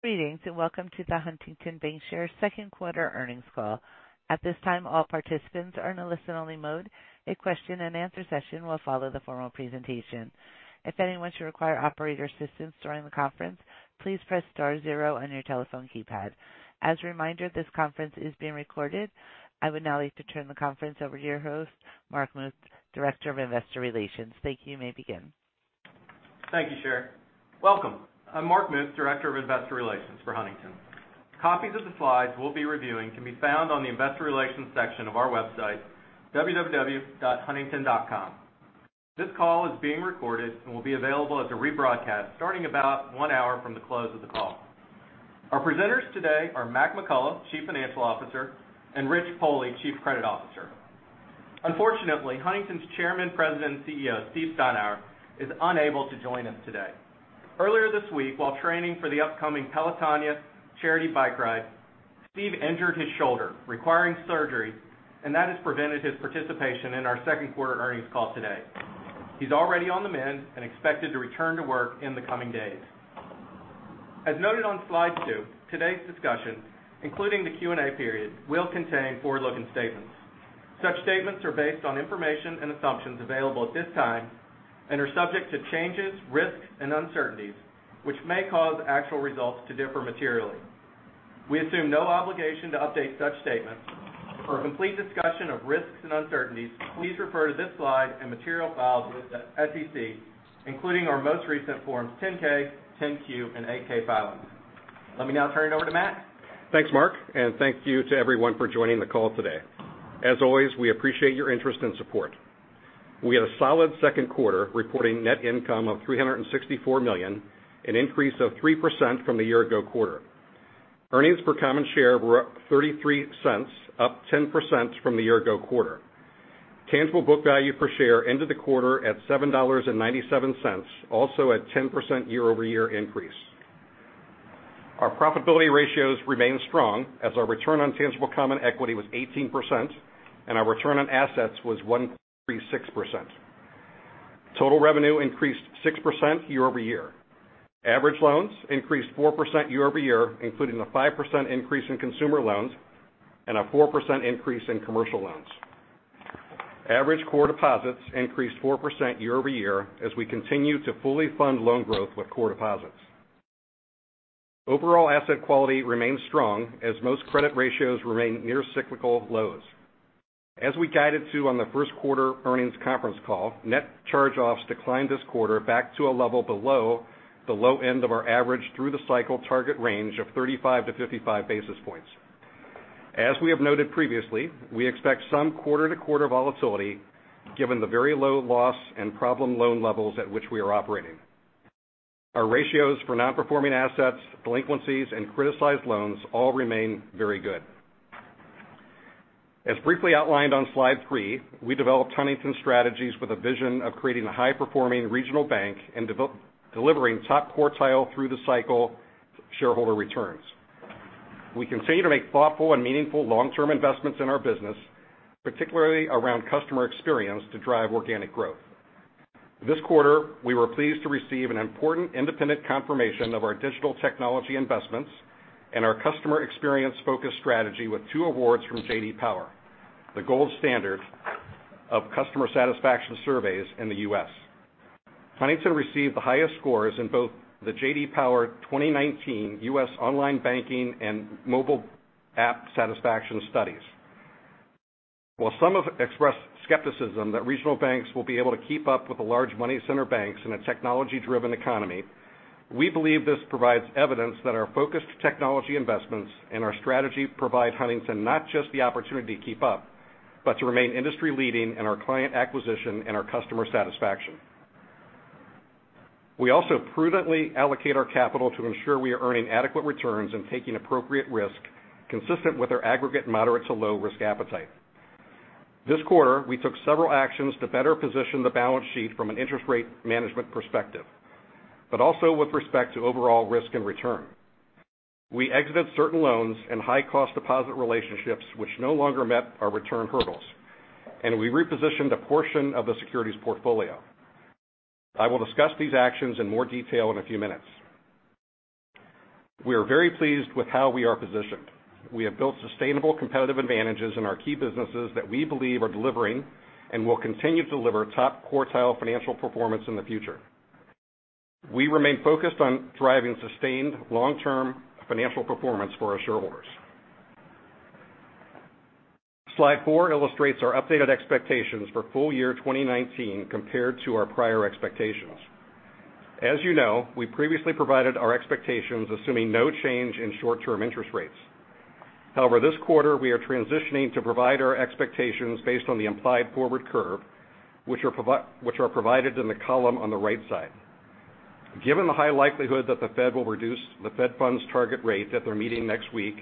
Greetings, and welcome to the Huntington Bancshares second quarter earnings call. At this time, all participants are in a listen-only mode. A question-and-answer session will follow the formal presentation. If anyone should require operator assistance during the conference, please press star zero on your telephone keypad. As a reminder, this conference is being recorded. I would now like to turn the conference over to your host, Mark Muth, Director of Investor Relations. Thank you. You may begin. Thank you, Sherry. Welcome. I'm Mark Muth, Director of Investor Relations for Huntington. Copies of the slides we'll be reviewing can be found on the Investor Relations section of our website, www.huntington.com. This call is being recorded and will be available as a rebroadcast starting about one hour from the close of the call. Our presenters today are Mac McCullough, Chief Financial Officer, and Rich Pohle, Chief Credit Officer. Unfortunately, Huntington's Chairman, President, and CEO, Steve Steinour, is unable to join us today. Earlier this week, while training for the upcoming Pelotonia charity bike ride, Steve injured his shoulder, requiring surgery, and that has prevented his participation in our second quarter earnings call today. He's already on the mend and expected to return to work in the coming days. As noted on slide two, today's discussion, including the Q&A period, will contain forward-looking statements. Such statements are based on information and assumptions available at this time and are subject to changes, risks, and uncertainties, which may cause actual results to differ materially. We assume no obligation to update such statements. For a complete discussion of risks and uncertainties, please refer to this slide and material files with the SEC, including our most recent Forms 10-K, 10-Q, and 8-K filings. Let me now turn it over to Mac. Thanks, Mark, and thank you to everyone for joining the call today. As always, we appreciate your interest and support. We had a solid second quarter, reporting net income of $364 million, an increase of 3% from the year-ago quarter. Earnings per common share were up $0.33, up 10% from the year-ago quarter. Tangible book value per share ended the quarter at $7.97, also at 10% year-over-year increase. Our profitability ratios remain strong as our return on tangible common equity was 18% and our return on assets was 1.36%. Total revenue increased 6% year-over-year. Average loans increased 4% year-over-year, including a 5% increase in consumer loans and a 4% increase in commercial loans. Average core deposits increased 4% year-over-year as we continue to fully fund loan growth with core deposits. Overall asset quality remains strong as most credit ratios remain near cyclical lows. As we guided to on the first quarter earnings conference call, net charge-offs declined this quarter back to a level below the low end of our average through the cycle target range of 35-55 basis points. As we have noted previously, we expect some quarter-to-quarter volatility given the very low loss and problem loan levels at which we are operating. Our ratios for non-performing assets, delinquencies, and criticized loans all remain very good. As briefly outlined on slide three, we developed Huntington strategies with a vision of creating a high-performing regional bank and delivering top quartile through the cycle shareholder returns. We continue to make thoughtful and meaningful long-term investments in our business, particularly around customer experience to drive organic growth. This quarter, we were pleased to receive an important independent confirmation of our digital technology investments and our customer experience focus strategy with two awards from JD Power, the gold standard of customer satisfaction surveys in the U.S. Huntington received the highest scores in both the JD Power 2019 U.S. Online Banking and Mobile App Satisfaction Studies. While some have expressed skepticism that regional banks will be able to keep up with the large money center banks in a technology driven economy, we believe this provides evidence that our focused technology investments and our strategy provide Huntington not just the opportunity to keep up but to remain industry leading in our client acquisition and our customer satisfaction. We also prudently allocate our capital to ensure we are earning adequate returns and taking appropriate risk consistent with our aggregate moderate to low risk appetite. This quarter, we took several actions to better position the balance sheet from an interest rate management perspective, but also with respect to overall risk and return. We exited certain loans and high cost deposit relationships which no longer met our return hurdles, and we repositioned a portion of the securities portfolio. I will discuss these actions in more detail in a few minutes. We are very pleased with how we are positioned. We have built sustainable competitive advantages in our key businesses that we believe are delivering and will continue to deliver top quartile financial performance in the future. We remain focused on driving sustained long-term financial performance for our shareholders. Slide four illustrates our updated expectations for full year 2019 compared to our prior expectations. As you know, we previously provided our expectations assuming no change in short-term interest rates. However, this quarter, we are transitioning to provide our expectations based on the implied forward curve, which are provided in the column on the right side. Given the high likelihood that the Fed will reduce the Fed funds target rate at their meeting next week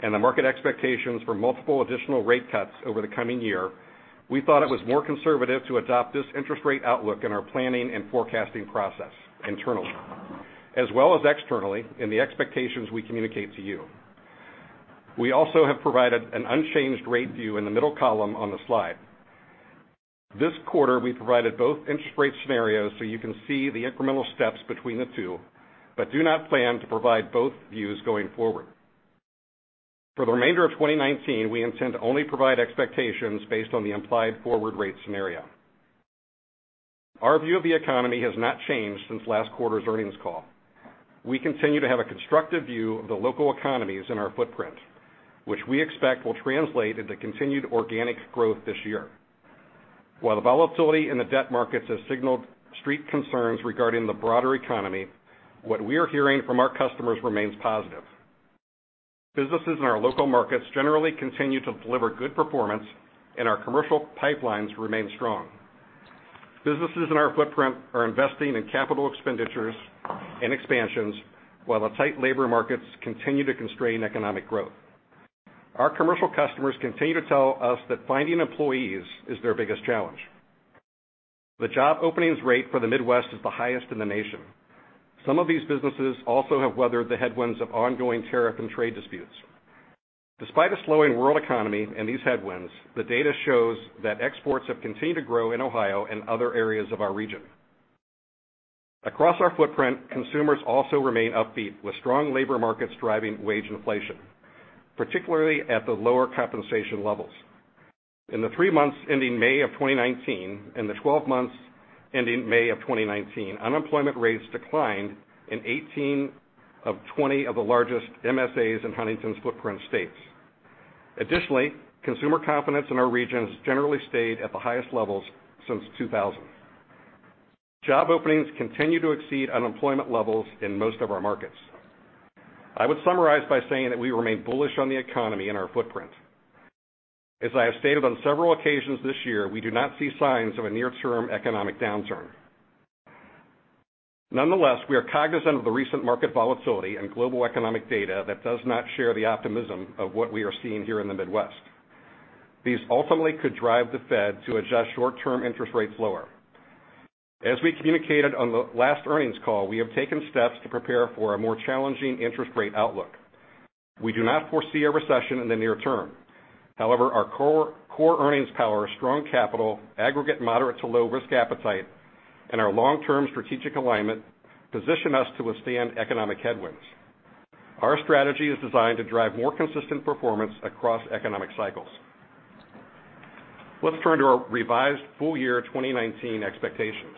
and the market expectations for multiple additional rate cuts over the coming year, we thought it was more conservative to adopt this interest rate outlook in our planning and forecasting process internally, as well as externally in the expectations we communicate to you. We also have provided an unchanged rate view in the middle column on the slide. This quarter, we provided both interest rate scenarios so you can see the incremental steps between the two. Do not plan to provide both views going forward. For the remainder of 2019, we intend to only provide expectations based on the implied forward rate scenario. Our view of the economy has not changed since last quarter's earnings call. We continue to have a constructive view of the local economies in our footprint, which we expect will translate into continued organic growth this year. While the volatility in the debt markets has signaled street concerns regarding the broader economy, what we're hearing from our customers remains positive. Businesses in our local markets generally continue to deliver good performance. Our commercial pipelines remain strong. Businesses in our footprint are investing in capital expenditures and expansions, while the tight labor markets continue to constrain economic growth. Our commercial customers continue to tell us that finding employees is their biggest challenge. The job openings rate for the Midwest is the highest in the nation. Some of these businesses also have weathered the headwinds of ongoing tariff and trade disputes. Despite a slowing world economy and these headwinds, the data shows that exports have continued to grow in Ohio and other areas of our region. Across our footprint, consumers also remain upbeat, with strong labor markets driving wage inflation, particularly at the lower compensation levels. In the three months ending May of 2019 and the 12 months ending May of 2019, unemployment rates declined in 18 of 20 of the largest MSAs in Huntington's footprint states. Additionally, consumer confidence in our region has generally stayed at the highest levels since 2000. Job openings continue to exceed unemployment levels in most of our markets. I would summarize by saying that we remain bullish on the economy and our footprint. As I have stated on several occasions this year, we do not see signs of a near-term economic downturn. Nonetheless, we are cognizant of the recent market volatility and global economic data that does not share the optimism of what we are seeing here in the Midwest. These ultimately could drive the Fed to adjust short-term interest rates lower. As we communicated on the last earnings call, we have taken steps to prepare for a more challenging interest rate outlook. We do not foresee a recession in the near term. However, our core earnings power, strong capital, aggregate moderate to low risk appetite, and our long-term strategic alignment position us to withstand economic headwinds. Our strategy is designed to drive more consistent performance across economic cycles. Let's turn to our revised full year 2019 expectations.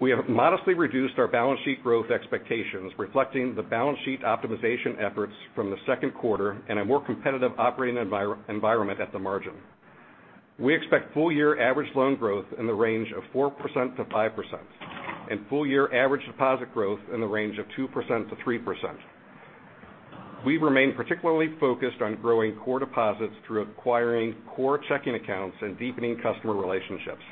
We have modestly reduced our balance sheet growth expectations, reflecting the balance sheet optimization efforts from the second quarter and a more competitive operating environment at the margin. We expect full year average loan growth in the range of 4%-5%, and full year average deposit growth in the range of 2%-3%. We remain particularly focused on growing core deposits through acquiring core checking accounts and deepening customer relationships.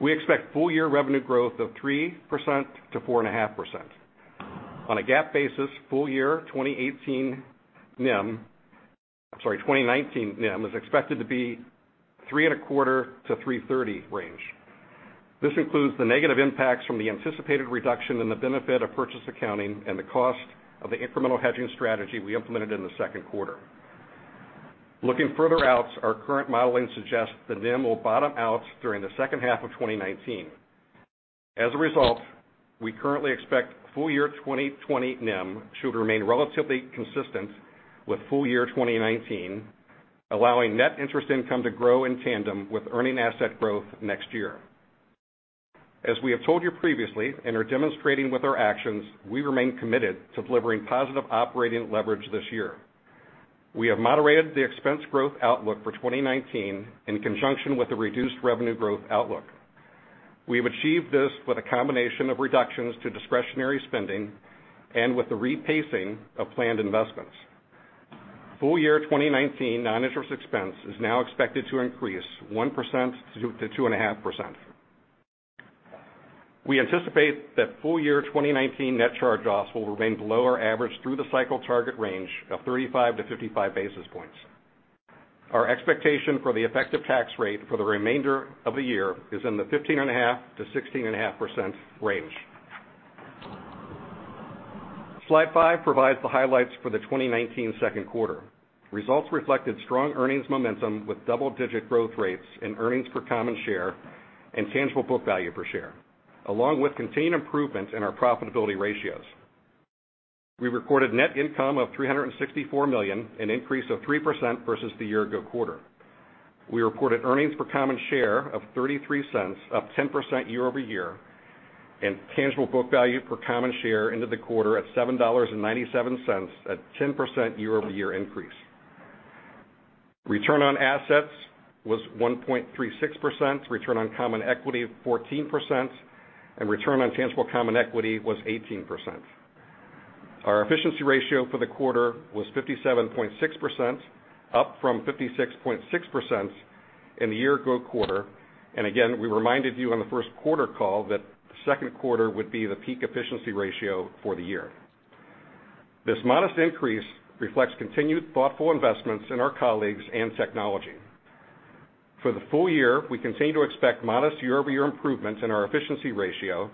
We expect full year revenue growth of 3%-4.5%. On a GAAP basis, full year 2018 NIM, I'm sorry, 2019 NIM is expected to be 3.25%-3.30% range. This includes the negative impacts from the anticipated reduction in the benefit of purchase accounting and the cost of the incremental hedging strategy we implemented in the second quarter. Looking further out, our current modeling suggests the NIM will bottom out during the second half of 2019. As a result, we currently expect full year 2020 NIM to remain relatively consistent with full year 2019, allowing net interest income to grow in tandem with earning asset growth next year. As we have told you previously and are demonstrating with our actions, we remain committed to delivering positive operating leverage this year. We have moderated the expense growth outlook for 2019 in conjunction with the reduced revenue growth outlook. We have achieved this with a combination of reductions to discretionary spending and with the repacing of planned investments. Full year 2019 non-interest expense is now expected to increase 1% to 2.5%. We anticipate that full year 2019 net charge-offs will remain below our average through the cycle target range of 35-55 basis points. Our expectation for the effective tax rate for the remainder of the year is in the 15.5%-16.5% range. Slide five provides the highlights for the 2019 second quarter. Results reflected strong earnings momentum with double-digit growth rates in earnings per common share and tangible book value per share, along with continued improvement in our profitability ratios. We recorded net income of $364 million, an increase of 3% versus the year ago quarter. We reported earnings per common share of $0.33, up 10% year-over-year, and tangible book value per common share into the quarter at $7.97 at 10% year-over-year increase. Return on assets was 1.36%, return on common equity of 14%, and return on tangible common equity was 18%. Our efficiency ratio for the quarter was 57.6%, up from 56.6% in the year-ago quarter. Again, we reminded you on the first quarter call that second quarter would be the peak efficiency ratio for the year. This modest increase reflects continued thoughtful investments in our colleagues and technology. For the full year, we continue to expect modest year-over-year improvements in our efficiency ratio,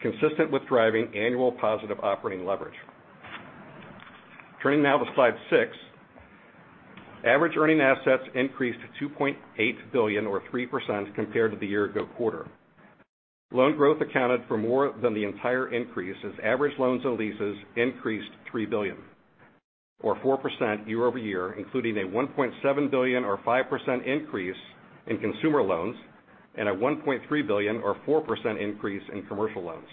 consistent with driving annual positive operating leverage. Turning now to slide six. Average earning assets increased to $2.8 billion, or 3%, compared to the year-ago quarter. Loan growth accounted for more than the entire increase, as average loans and leases increased $3 billion, or 4% year-over-year, including a $1.7 billion, or 5% increase in consumer loans and a $1.3 billion, or 4% increase in commercial loans.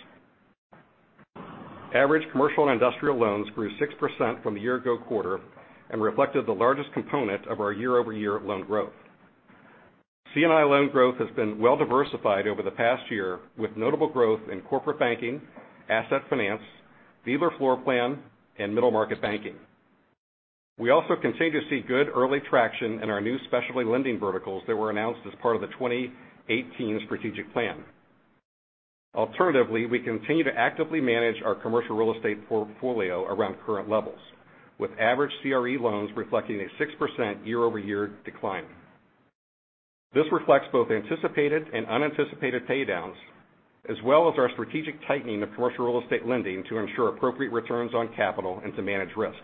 Average commercial and industrial loans grew 6% from the year-ago quarter and reflected the largest component of our year-over-year loan growth. C&I loan growth has been well diversified over the past year, with notable growth in corporate banking, asset finance, dealer floor plan, and middle-market banking. We also continue to see good early traction in our new specialty lending verticals that were announced as part of the 2018 strategic plan. Alternatively, we continue to actively manage our commercial real estate portfolio around current levels, with average CRE loans reflecting a 6% year-over-year decline. This reflects both anticipated and unanticipated paydowns, as well as our strategic tightening of commercial real estate lending to ensure appropriate returns on capital and to manage risk.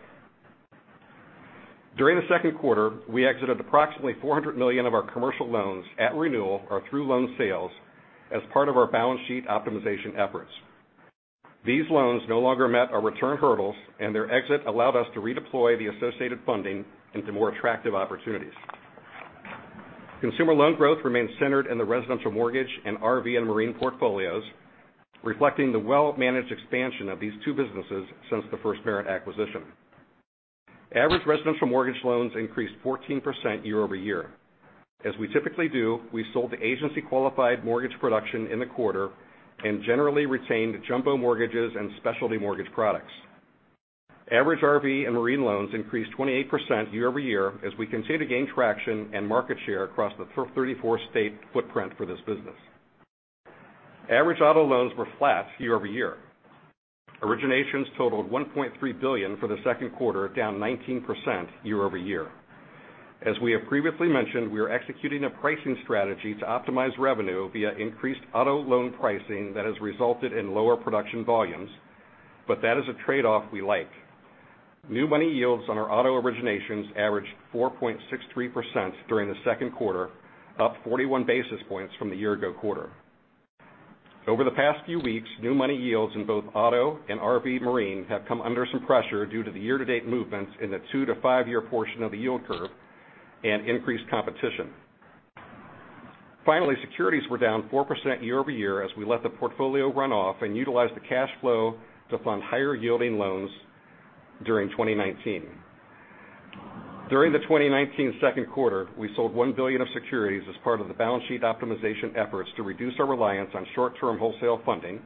During the second quarter, we exited approximately $400 million of our commercial loans at renewal or through loan sales as part of our balance sheet optimization efforts. These loans no longer met our return hurdles, and their exit allowed us to redeploy the associated funding into more attractive opportunities. Consumer loan growth remains centered in the residential mortgage and RV and marine portfolios, reflecting the well-managed expansion of these two businesses since the FirstMerit acquisition. Average residential mortgage loans increased 14% year-over-year. As we typically do, we sold agency-qualified mortgage production in the quarter and generally retained jumbo mortgages and specialty mortgage products. Average RV and marine loans increased 28% year-over-year as we continue to gain traction and market share across the 34-state footprint for this business. Average auto loans were flat year-over-year. Originations totaled $1.3 billion for the second quarter, down 19% year-over-year. As we have previously mentioned, we are executing a pricing strategy to optimize revenue via increased auto loan pricing that has resulted in lower production volumes, but that is a trade-off we like. New money yields on our auto originations averaged 4.63% during the second quarter, up 41 basis points from the year ago quarter. Over the past few weeks, new money yields in both auto and RV/marine have come under some pressure due to the year-to-date movements in the two to five-year portion of the yield curve and increased competition. Finally, securities were down 4% year-over-year as we let the portfolio run off and utilized the cash flow to fund higher-yielding loans during 2019. During the 2019 second quarter, we sold $1 billion of securities as part of the balance sheet optimization efforts to reduce our reliance on short-term wholesale funding.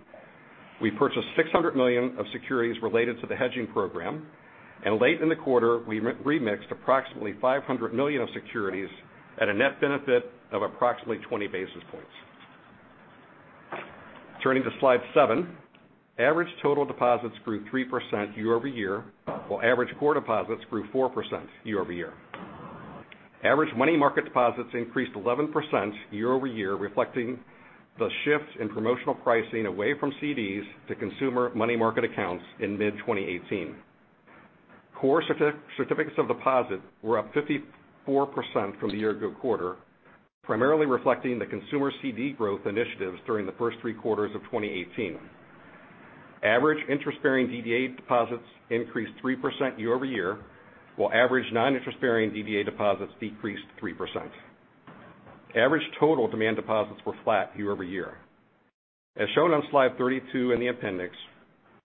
We purchased $600 million of securities related to the hedging program, and late in the quarter, we remixed approximately $500 million of securities at a net benefit of approximately 20 basis points. Turning to slide seven. Average total deposits grew 3% year-over-year, while average core deposits grew 4% year-over-year. Average money market deposits increased 11% year-over-year, reflecting the shifts in promotional pricing away from CDs to consumer money market accounts in mid-2018. Core certificates of deposit were up 54% from the year-ago quarter, primarily reflecting the consumer CD growth initiatives during the first three quarters of 2018. Average interest-bearing DDA deposits increased 3% year-over-year, while average non-interest-bearing DDA deposits decreased 3%. Average total demand deposits were flat year-over-year. As shown on slide 32 in the appendix,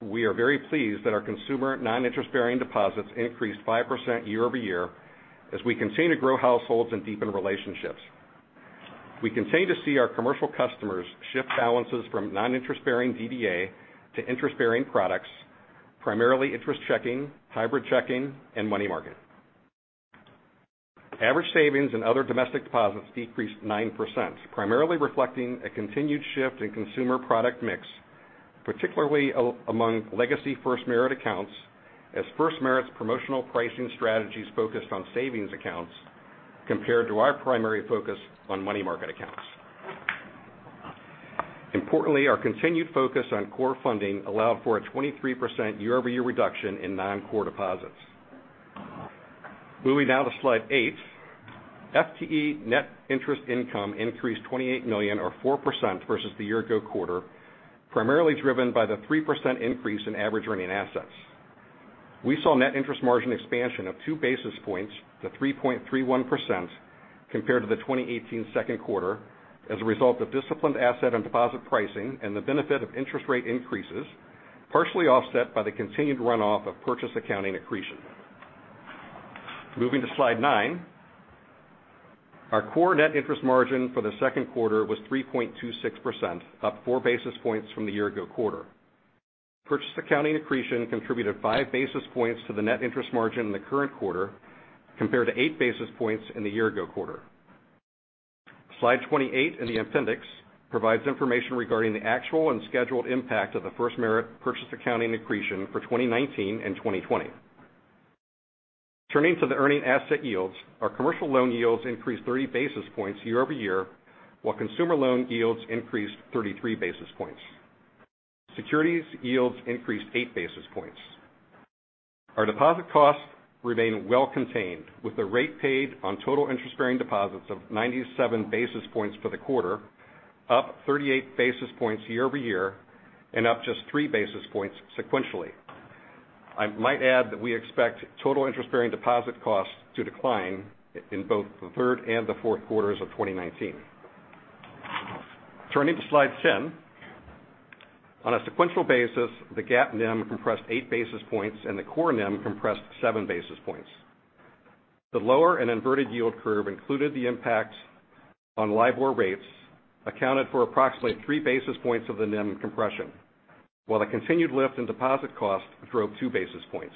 we are very pleased that our consumer non-interest-bearing deposits increased 5% year-over-year as we continue to grow households and deepen relationships. We continue to see our commercial customers shift balances from non-interest-bearing DDA to interest-bearing products, primarily interest checking, hybrid checking, and money market. Average savings and other domestic deposits decreased 9%, primarily reflecting a continued shift in consumer product mix, particularly among legacy FirstMerit accounts, as FirstMerit's promotional pricing strategies focused on savings accounts compared to our primary focus on money market accounts. Importantly, our continued focus on core funding allowed for a 23% year-over-year reduction in non-core deposits. Moving now to slide eight. FTE net interest income increased $28 million, or 4%, versus the year ago quarter, primarily driven by the 3% increase in average earning assets. We saw net interest margin expansion of 2 basis points to 3.31% compared to the 2018 second quarter as a result of disciplined asset and deposit pricing and the benefit of interest rate increases, partially offset by the continued runoff of purchase accounting accretion. Moving to slide nine. Our core net interest margin for the second quarter was 3.26%, up 4 basis points from the year-ago quarter. Purchase accounting accretion contributed 5 basis points to the net interest margin in the current quarter, compared to 8 basis points in the year-ago quarter. Slide 28 in the appendix provides information regarding the actual and scheduled impact of the FirstMerit purchase accounting accretion for 2019 and 2020. Turning to the earning asset yields, our commercial loan yields increased 30 basis points year-over-year, while consumer loan yields increased 33 basis points. Securities yields increased 8 basis points. Our deposit costs remain well contained with the rate paid on total interest-bearing deposits of 97 basis points for the quarter, up 38 basis points year-over-year, and up just 3 basis points sequentially. I might add that we expect total interest-bearing deposit costs to decline in both the third and the fourth quarters of 2019. Turning to slide 10. On a sequential basis, the GAAP NIM compressed 8 basis points, and the core NIM compressed 7 basis points. The lower and inverted yield curve included the impact on LIBOR rates, accounted for approximately 3 basis points of the NIM compression. The continued lift in deposit cost drove 2 basis points.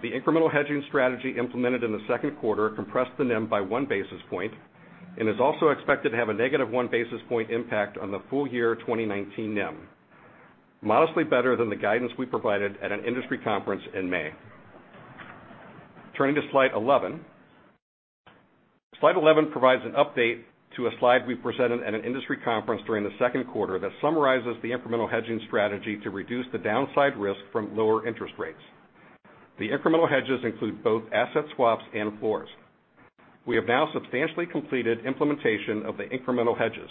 The incremental hedging strategy implemented in the second quarter compressed the NIM by 1 basis point and is also expected to have a -1 basis point impact on the full year 2019 NIM. Modestly better than the guidance we provided at an industry conference in May. Turning to slide 11. Slide 11 provides an update to a slide we presented at an industry conference during the second quarter that summarizes the incremental hedging strategy to reduce the downside risk from lower interest rates. The incremental hedges include both asset swaps and floors. We have now substantially completed implementation of the incremental hedges.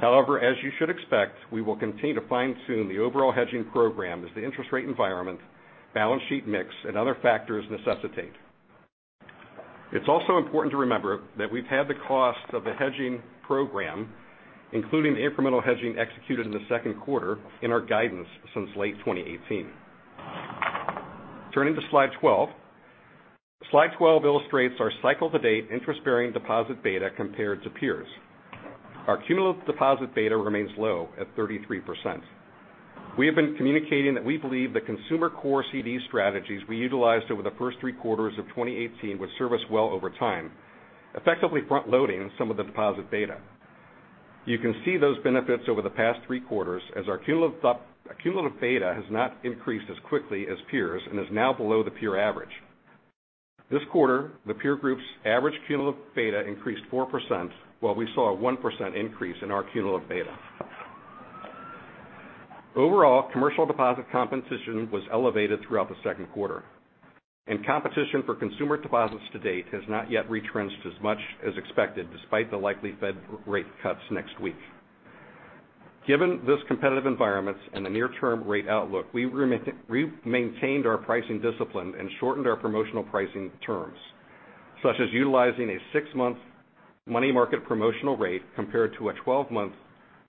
However, as you should expect, we will continue to fine-tune the overall hedging program as the interest rate environment, balance sheet mix, and other factors necessitate. It's also important to remember that we've had the cost of the hedging program, including the incremental hedging executed in the second quarter, in our guidance since late 2018. Turning to slide 12. Slide 12 illustrates our cycle-to-date interest-bearing deposit beta compared to peers. Our cumulative deposit beta remains low at 33%. We have been communicating that we believe the consumer core CD strategies we utilized over the first three quarters of 2018 would serve us well over time, effectively front-loading some of the deposit beta. You can see those benefits over the past three quarters as our cumulative beta has not increased as quickly as peers and is now below the peer average. This quarter, the peer group's average cumulative beta increased 4%, while we saw a 1% increase in our cumulative beta. Overall, commercial deposit competition was elevated throughout the second quarter, and competition for consumer deposits to date has not yet retrenched as much as expected, despite the likely Fed rate cuts next week. Given this competitive environment and the near-term rate outlook, we maintained our pricing discipline and shortened our promotional pricing terms, such as utilizing a six-month money market promotional rate compared to a 12-month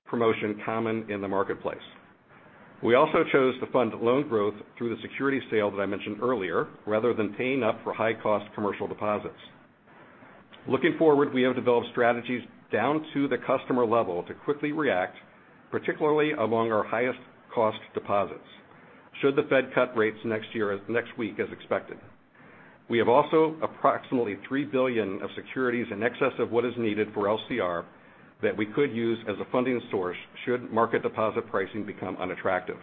promotion common in the marketplace. We also chose to fund loan growth through the security sale that I mentioned earlier, rather than paying up for high-cost commercial deposits. Looking forward, we have developed strategies down to the customer level to quickly react, particularly among our highest cost deposits should the Fed cut rates next week as expected. We have also approximately $3 billion of securities in excess of what is needed for LCR that we could use as a funding source should market deposit pricing become unattractive.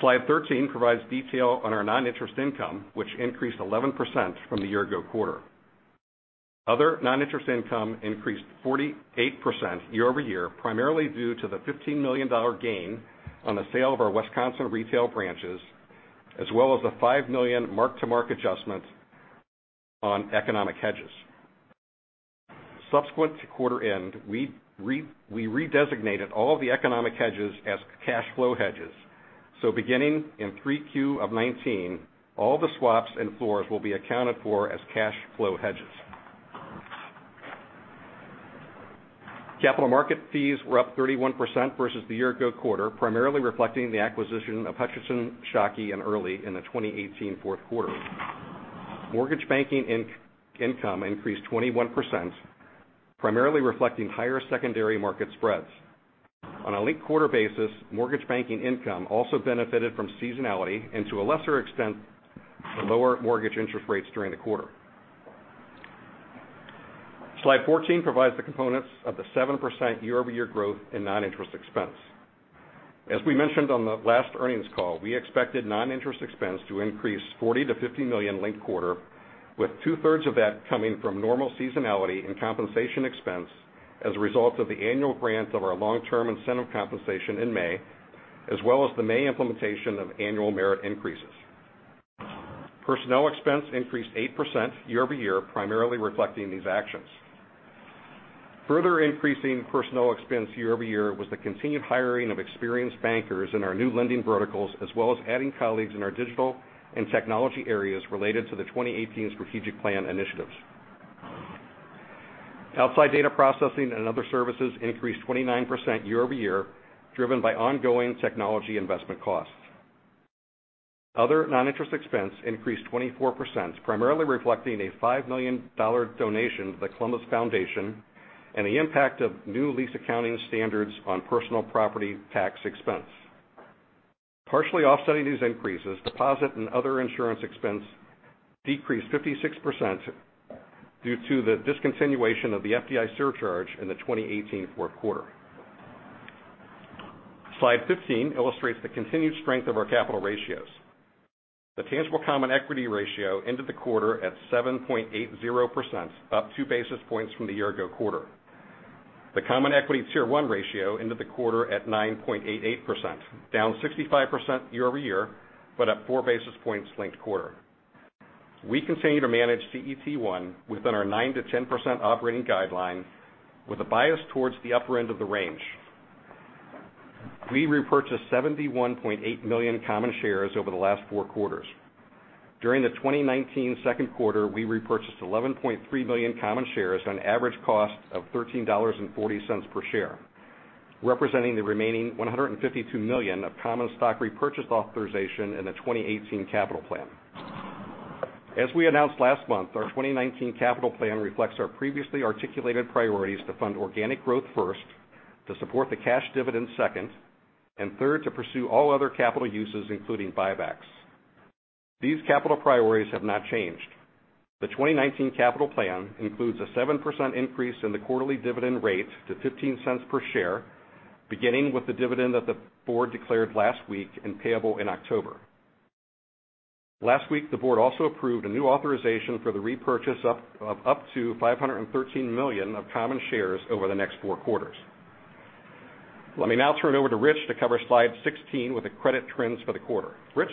Slide 13 provides detail on our non-interest income, which increased 11% from the year-ago quarter. Other non-interest income increased 48% year-over-year, primarily due to the $15 million gain on the sale of our Wisconsin retail branches, as well as the $5 million mark-to-market adjustments on economic hedges. Subsequent to quarter end, we redesignated all the economic hedges as cash flow hedges. Beginning in 3Q of 2019, all the swaps and floors will be accounted for as cash flow hedges. Capital market fees were up 31% versus the year-ago quarter, primarily reflecting the acquisition of Hutchinson, Shockey, and Erley in the 2018 fourth quarter. Mortgage banking income increased 21%, primarily reflecting higher secondary market spreads. On a linked-quarter basis, mortgage banking income also benefited from seasonality and to a lesser extent, lower mortgage interest rates during the quarter. Slide 14 provides the components of the 7% year-over-year growth in non-interest expense. As we mentioned on the last earnings call, we expected non-interest expense to increase $40 million-$50 million linked quarter, with 2/3 of that coming from normal seasonality and compensation expense as a result of the annual grant of our long-term incentive compensation in May, as well as the May implementation of annual merit increases. Personnel expense increased 8% year-over-year, primarily reflecting these actions. Further increasing personnel expense year-over-year was the continued hiring of experienced bankers in our new lending verticals, as well as adding colleagues in our digital and technology areas related to the 2018 strategic plan initiatives. Outside data processing and other services increased 29% year-over-year, driven by ongoing technology investment costs. Other non-interest expense increased 24%, primarily reflecting a $5 million donation to The Columbus Foundation and the impact of new lease accounting standards on personal property tax expense. Partially offsetting these increases, deposit and other insurance expense decreased 56% due to the discontinuation of the FDIC surcharge in the 2018 fourth quarter. Slide 15 illustrates the continued strength of our capital ratios. The tangible common equity ratio ended the quarter at 7.80%, up 2 basis points from the year ago quarter. The common equity Tier 1 ratio ended the quarter at 9.88%, down 65% year over year, but up 4 basis points linked quarter. We continue to manage CET1 within our 9%-10% operating guideline with a bias towards the upper end of the range. We repurchased 71.8 million common shares over the last four quarters. During the 2019 second quarter, we repurchased 11.3 million common shares on average cost of $13.40 per share, representing the remaining 152 million of common stock repurchase authorization in the 2018 capital plan. As we announced last month, our 2019 capital plan reflects our previously articulated priorities to fund organic growth first, to support the cash dividend second, and third, to pursue all other capital uses, including buybacks. These capital priorities have not changed. The 2019 capital plan includes a 7% increase in the quarterly dividend rate to $0.15 per share, beginning with the dividend that the board declared last week and payable in October. Last week, the board also approved a new authorization for the repurchase of up to $513 million of common shares over the next four quarters. Let me now turn it over to Rich to cover slide 16 with the credit trends for the quarter. Rich?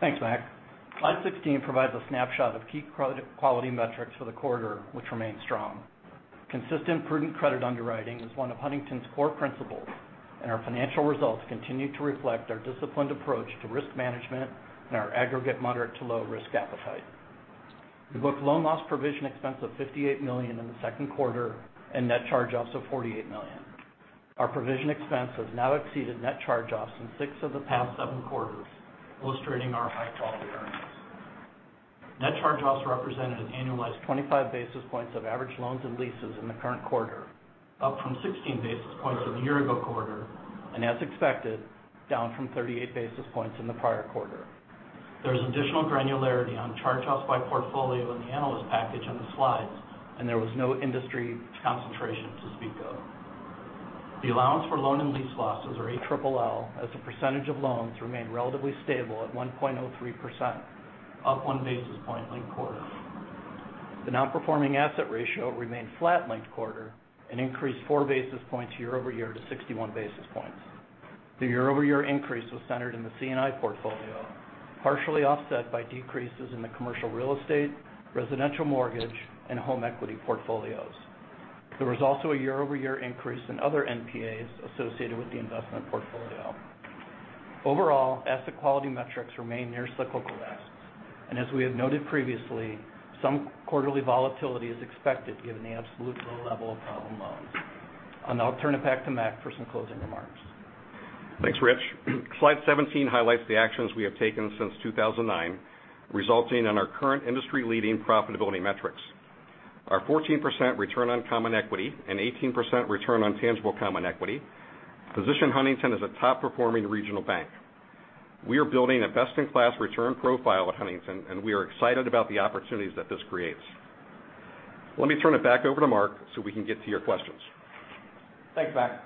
Thanks, Mac. Slide 16 provides a snapshot of key credit quality metrics for the quarter, which remain strong. Consistent prudent credit underwriting is one of Huntington's core principles, and our financial results continue to reflect our disciplined approach to risk management and our aggregate moderate to low risk appetite. We booked loan loss provision expense of $58 million in the second quarter and net charge-offs of $48 million. Our provision expense has now exceeded net charge-offs in six of the past seven quarters, illustrating our high-quality earnings. Net charge-offs represented an annualized 25 basis points of average loans and leases in the current quarter, up from 16 basis points in the year ago quarter, and as expected, down from 38 basis points in the prior quarter. There is additional granularity on charge-offs by portfolio in the analyst package on the slides, and there was no industry concentration to speak of. The allowance for loan and lease losses, or ALLL, as a percentage of loans remained relatively stable at 1.03%, up 1 basis point linked-quarter. The non-performing asset ratio remained flat linked-quarter and increased 4 basis points year-over-year to 61 basis points. The year-over-year increase was centered in the C&I portfolio, partially offset by decreases in the commercial real estate, residential mortgage, and home equity portfolios. There was also a year-over-year increase in other NPAs associated with the investment portfolio. Overall, asset quality metrics remain near cyclical [assets]. As we have noted previously, some quarterly volatility is expected given the absolute low level of problem loans. I'll now turn it back to Mac for some closing remarks. Thanks, Rich. Slide 17 highlights the actions we have taken since 2009, resulting in our current industry leading profitability metrics. Our 14% return on common equity and 18% return on tangible common equity position Huntington as a top performing regional bank. We are building a best-in-class return profile at Huntington, and we are excited about the opportunities that this creates. Let me turn it back over to Mark so we can get to your questions. Thanks, Mac.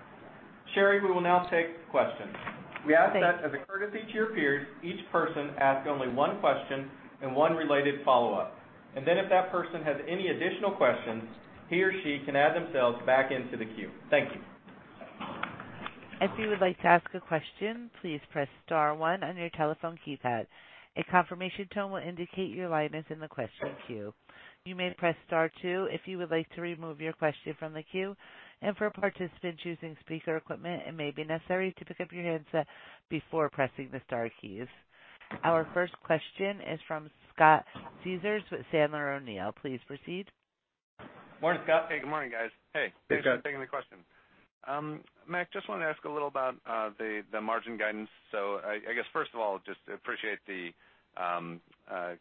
Sherry, we will now take questions. Thanks— We ask that as a courtesy to your peers, each person ask only one question and one related follow-up. If that person has any additional questions, he or she can add themselves back into the queue. Thank you. If you would like to ask a question, please press star one on your telephone keypad. A confirmation tone will indicate your line is in the question queue. You may press star two if you would like to remove your question from the queue. For participants using speaker equipment, it may be necessary to pick up your handset before pressing the star keys. Our first question is from Scott Siefers with Sandler O'Neill. Please proceed. Morning, Scott. Hey, good morning, guys. Hey. Hey, Scott. Thanks for taking the question. Mac, just wanted to ask a little about the margin guidance. I guess first of all, just appreciate the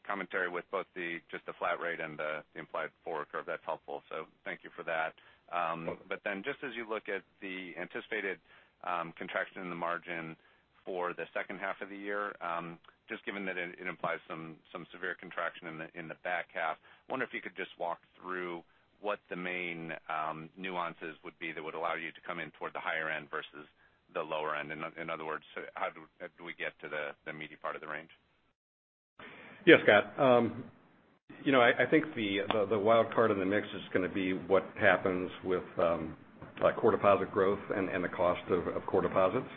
commentary with both just the flat rate and the implied forward curve. That's helpful, thank you for that. Just as you look at the anticipated contraction in the margin for the second half of the year, just given that it implies some severe contraction in the back half, wonder if you could just walk through what the main nuances would be that would allow you to come in toward the higher end versus the lower end. In other words, how do we get to the meaty part of the range? Yeah, Scott. I think the wild card in the mix is going to be what happens with core deposit growth and the cost of core deposits.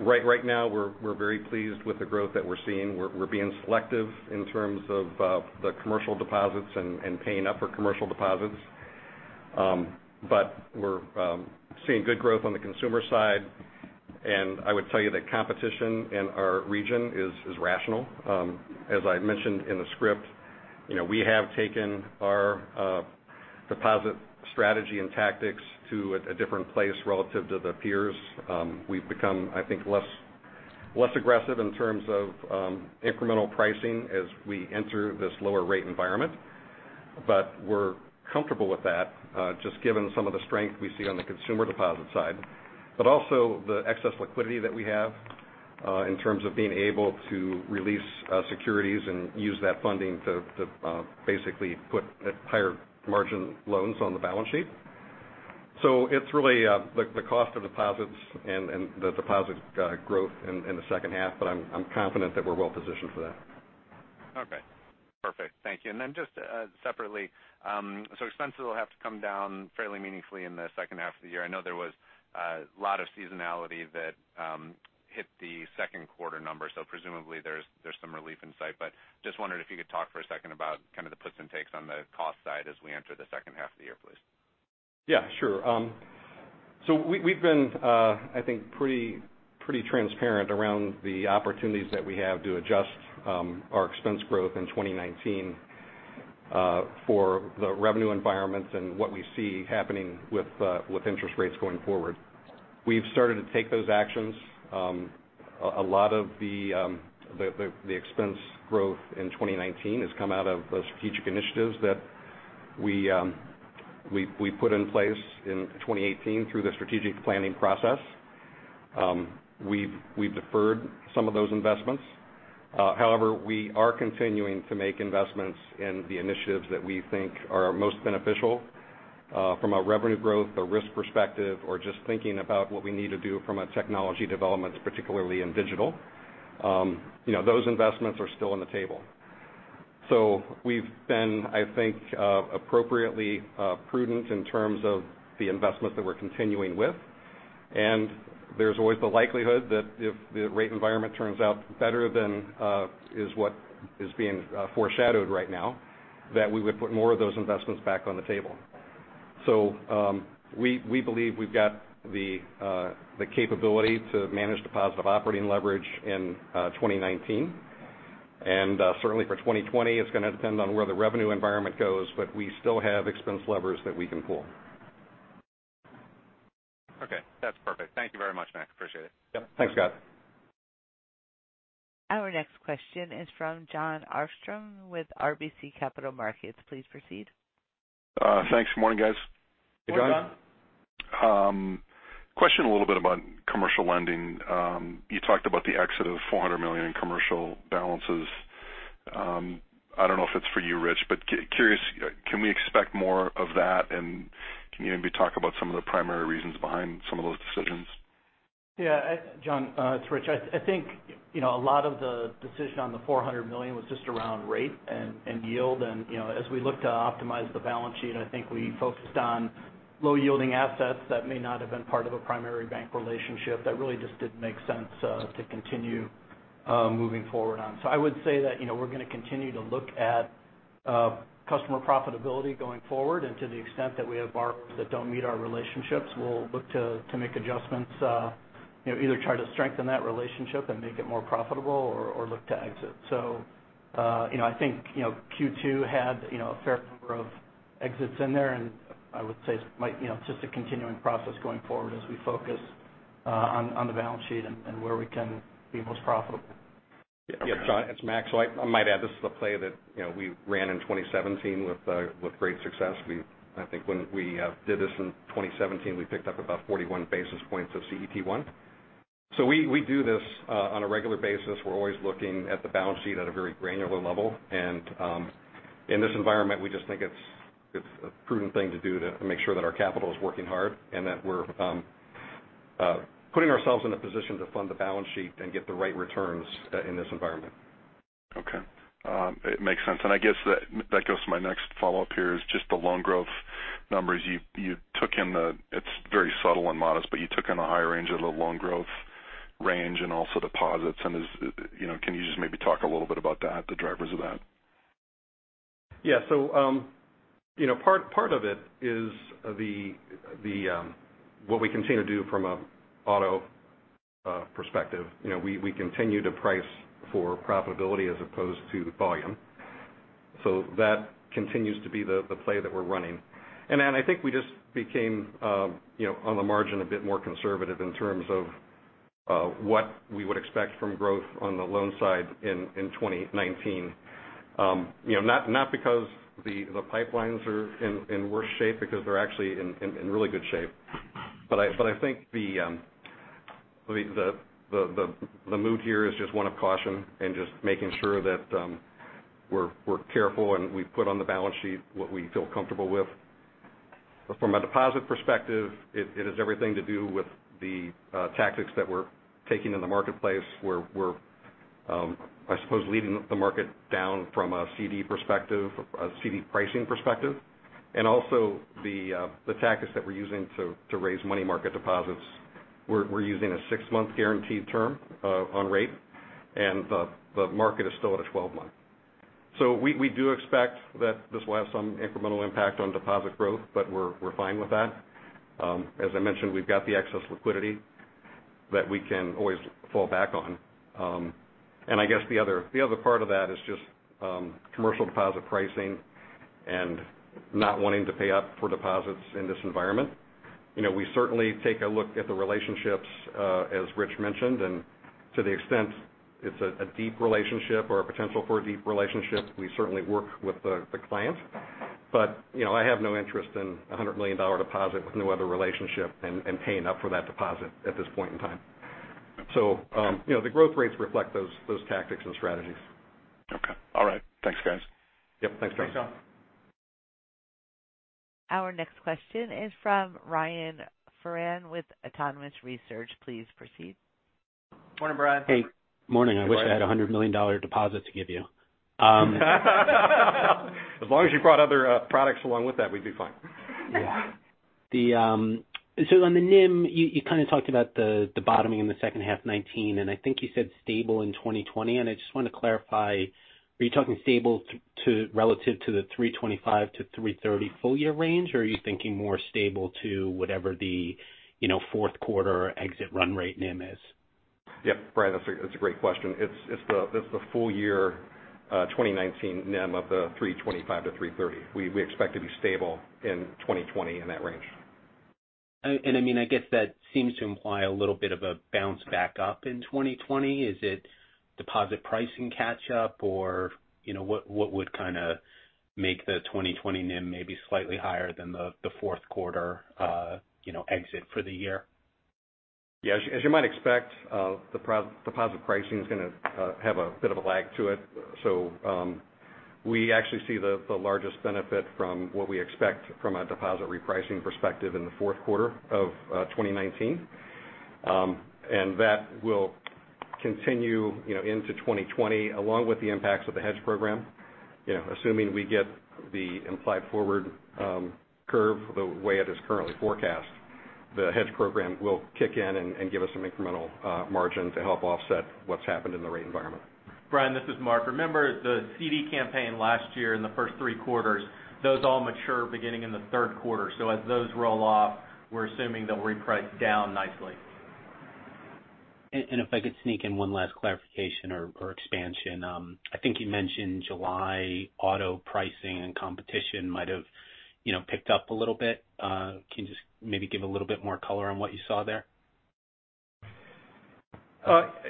Right now we're very pleased with the growth that we're seeing. We're being selective in terms of the commercial deposits and paying up for commercial deposits. We're seeing good growth on the consumer side, and I would tell you that competition in our region is rational. As I mentioned in the script, we have taken our deposit strategy and tactics to a different place relative to the peers. We've become, I think, less aggressive in terms of incremental pricing as we enter this lower rate environment. We're comfortable with that, just given some of the strength we see on the consumer deposit side, but also the excess liquidity that we have in terms of being able to release securities and use that funding to basically put higher margin loans on the balance sheet. It's really the cost of deposits and the deposit growth in the second half, but I'm confident that we're well-positioned for that. Okay. Perfect. Thank you. Separately, expenses will have to come down fairly meaningfully in the second half of the year. I know there was a lot of seasonality that hit the second quarter numbers. Presumably there's some relief in sight. Just wondered if you could talk for a second about kind of the puts and takes on the cost side as we enter the second half of the year, please. We've been, I think, pretty transparent around the opportunities that we have to adjust our expense growth in 2019 for the revenue environments and what we see happening with interest rates going forward. We've started to take those actions. A lot of the expense growth in 2019 has come out of the strategic initiatives that we put in place in 2018 through the strategic planning process. We've deferred some of those investments. However, we are continuing to make investments in the initiatives that we think are most beneficial from a revenue growth or risk perspective or just thinking about what we need to do from a technology development, particularly in digital. Those investments are still on the table. We have been, I think, appropriately prudent in terms of the investments that we are continuing with, and there is always the likelihood that if the rate environment turns out better than is what is being foreshadowed right now, that we would put more of those investments back on the table. We believe we have got the capability to manage deposit of operating leverage in 2019. And certainly for 2020, it is going to depend on where the revenue environment goes, but we still have expense levers that we can pull. Okay, that's perfect. Thank you very much, Mac. Appreciate it. Yep. Thanks, Scott. Our next question is from Jon Arfstrom with RBC Capital Markets. Please proceed. Thanks. Good morning, guys. Hey, Jon. Good morning, Jon. Question a little bit about commercial lending. You talked about the exit of $400 million in commercial balances. I don't know if it's for you, Rich, but curious, can we expect more of that, and can you maybe talk about some of the primary reasons behind some of those decisions? Yeah. Jon, it's Rich. I think a lot of the decision on the $400 million was just around rate and yield. As we look to optimize the balance sheet, I think we focused on low-yielding assets that may not have been part of a primary bank relationship that really just didn't make sense to continue moving forward on. I would say that we're going to continue to look at customer profitability going forward. To the extent that we have borrowers that don't meet our relationships, we'll look to make adjustments. Either try to strengthen that relationship and make it more profitable or look to exit. I think Q2 had a fair number of exits in there, and I would say it's just a continuing process going forward as we focus on the balance sheet and where we can be most profitable. Jon, it's Mac. I might add, this is a play that we ran in 2017 with great success. I think when we did this in 2017, we picked up about 41 basis points of CET1. We do this on a regular basis. We're always looking at the balance sheet at a very granular level. In this environment, we just think it's a prudent thing to do to make sure that our capital is working hard and that we're putting ourselves in a position to fund the balance sheet and get the right returns in this environment. Okay. It makes sense. I guess that goes to my next follow-up here is just the loan growth numbers. It's very subtle and modest, but you took on a higher range of the loan growth range and also deposits. Can you just maybe talk a little bit about that, the drivers of that? Yeah. Part of it is what we continue to do from an auto perspective. We continue to price for profitability as opposed to volume. That continues to be the play that we're running. I think I just became on the margin a bit more conservative in terms of what we would expect from growth on the loan side in 2019. Not because the pipelines are in worse shape because they're actually in really good shape. I think the mood here is just one of caution and just making sure that we're careful and we put on the balance sheet what we feel comfortable with. From a deposit perspective, it is everything to do with the tactics that we're taking in the marketplace. We're, I suppose, leading the market down from a CD perspective, a CD pricing perspective, and also the tactics that we're using to raise money market deposits. We're using a six-month guaranteed term on rate, and the market is still at a 12-month. We do expect that this will have some incremental impact on deposit growth, but we're fine with that. As I mentioned, we've got the excess liquidity that we can always fall back on. I guess the other part of that is just commercial deposit pricing and not wanting to pay up for deposits in this environment. We certainly take a look at the relationships, as Rich mentioned, and to the extent it's a deep relationship or a potential for a deep relationship, we certainly work with the client. I have no interest in a $100 million deposit with no other relationship and paying up for that deposit at this point in time. The growth rates reflect those tactics and strategies. Okay. All right. Thanks, guys. Yep. Thanks, Jon. Thanks, Jon. Our next question is from Brian Foran with Autonomous Research. Please proceed. Morning, Brian. Hey. Morning. I wish I had a $100 million deposit to give you. As long as you brought other products along with that, we'd be fine. Yeah. On the NIM, you kind of talked about the bottoming in the second half 2019, I think you said stable in 2020. I just want to clarify, are you talking stable relative to the 325-330 full year range? Or are you thinking more stable to whatever the fourth quarter exit run rate NIM is? Yep. Brian, that's a great question. It's the full year 2019 NIM of the 325-330. We expect to be stable in 2020 in that range. I guess that seems to imply a little bit of a bounce back up in 2020. Is it deposit pricing catch up or what would kind of make the 2020 NIM maybe slightly higher than the fourth quarter exit for the year? As you might expect, deposit pricing is going to have a bit of a lag to it. We actually see the largest benefit from what we expect from a deposit repricing perspective in the fourth quarter of 2019. That will continue into 2020, along with the impacts of the hedge program. Assuming we get the implied forward curve the way it is currently forecast, the hedge program will kick in and give us some incremental margin to help offset what's happened in the rate environment. Brian, this is Mark. Remember the CD campaign last year in the first three quarters, those all mature beginning in the third quarter. As those roll off, we're assuming they'll reprice down nicely. If I could sneak in one last clarification or expansion. I think you mentioned July auto pricing and competition might have picked up a little bit. Can you just maybe give a little bit more color on what you saw there?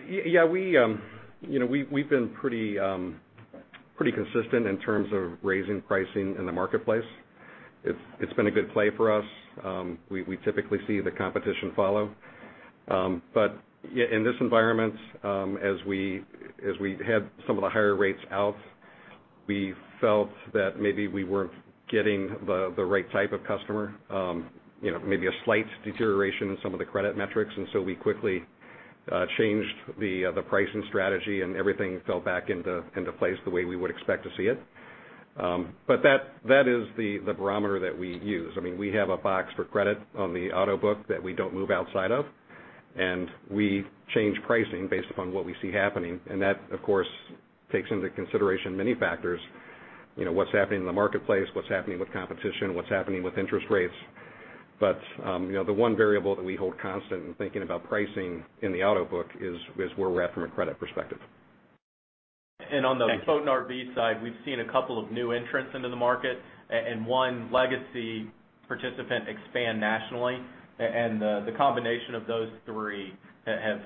Yeah. We've been pretty consistent in terms of raising pricing in the marketplace. It's been a good play for us. In this environment, as we had some of the higher rates out, we felt that maybe we weren't getting the right type of customer. Maybe a slight deterioration in some of the credit metrics. We quickly changed the pricing strategy, and everything fell back into place the way we would expect to see it. That is the barometer that we use. We have a box for credit on the auto book that we don't move outside of, and we change pricing based upon what we see happening. That, of course, takes into consideration many factors. What's happening in the marketplace, what's happening with competition, what's happening with interest rates. The one variable that we hold constant in thinking about pricing in the auto book is where we're at from a credit perspective. Thanks. On the boat and RV side, we've seen a couple of new entrants into the market and one legacy participant expand nationally. The combination of those three have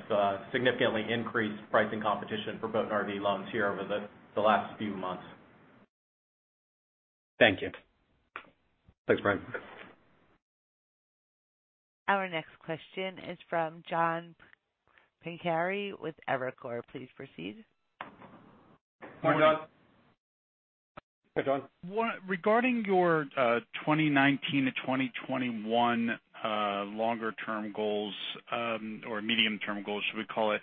significantly increased pricing competition for boat and RV loans here over the last few months. Thank you. Thanks, Brian. Our next question is from John Pancari with Evercore. Please proceed. Morning, John. Hi, John. Regarding your 2019-2021 longer term goals, or medium-term goals, should we call it,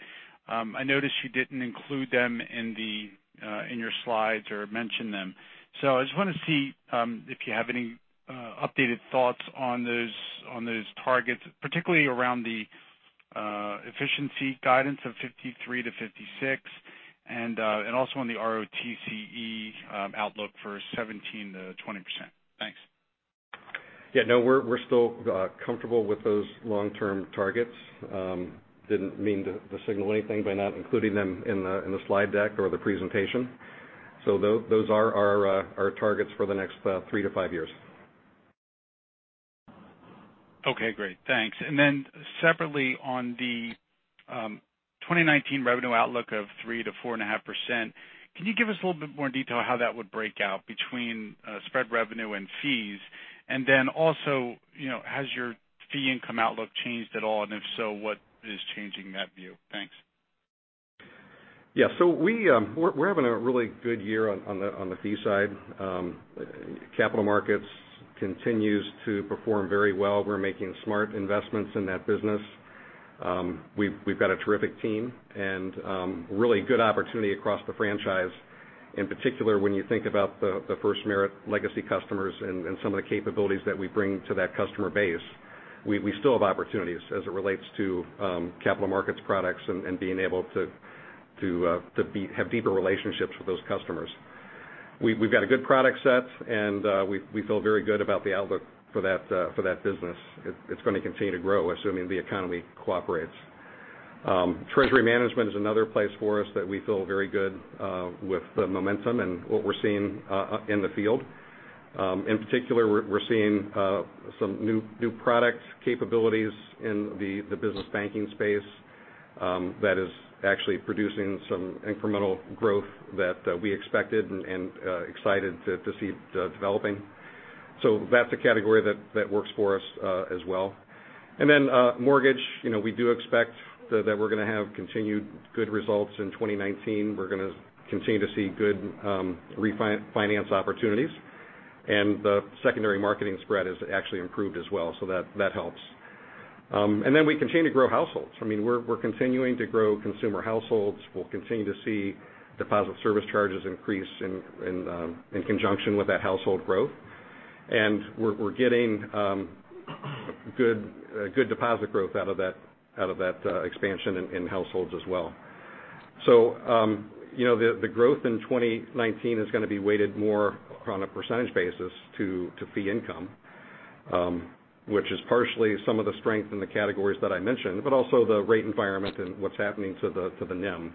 I noticed you didn't include them in your slides or mention them. I just want to see if you have any updated thoughts on those targets, particularly around the efficiency guidance of 53%-56% and also on the ROTCE outlook for 17%-20%. Thanks. No, we're still comfortable with those long-term targets. Didn't mean to signal anything by not including them in the slide deck or the presentation. Those are our targets for the next three to five years. Okay, great. Thanks. Then separately on the 2019 revenue outlook of 3%-4.5%, can you give us a little bit more detail how that would break out between spread revenue and fees? Then also, has your fee income outlook changed at all? If so, what is changing that view? Thanks. We're having a really good year on the fee side. capital markets continues to perform very well. We're making smart investments in that business. We've got a terrific team and really good opportunity across the franchise. In particular, when you think about the FirstMerit legacy customers and some of the capabilities that we bring to that customer base. We still have opportunities as it relates to capital markets products and being able to have deeper relationships with those customers. We've got a good product set, and we feel very good about the outlook for that business. It's going to continue to grow, assuming the economy cooperates. Treasury management is another place for us that we feel very good with the momentum and what we're seeing in the field. In particular, we're seeing some new product capabilities in the business banking space. That is actually producing some incremental growth that we expected and excited to see developing. That's a category that works for us as well. Mortgage, we do expect that we're going to have continued good results in 2019. We're going to continue to see good refinance opportunities. The secondary marketing spread has actually improved as well, so that helps. We continue to grow households. We're continuing to grow consumer households. We'll continue to see deposit service charges increase in conjunction with that household growth. We're getting good deposit growth out of that expansion in households as well. The growth in 2019 is going to be weighted more on a percentage basis to fee income, which is partially some of the strength in the categories that I mentioned, but also the rate environment and what's happening to the NIM.